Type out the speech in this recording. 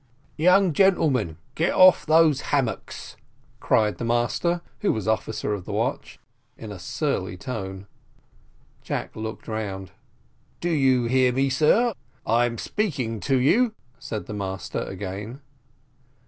"Young gentleman, get off those hammocks," cried the master, who was officer of the watch, in a surly tone. Jack looked round. "Do you hear me, sir? I'm speaking to you," said the master again.